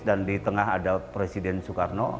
dan di tengah ada presiden soekarno